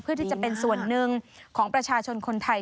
เพื่อที่จะเป็นส่วนหนึ่งของประชาชนคนไทย